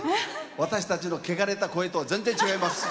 私たちの汚れた声とは全然、違います。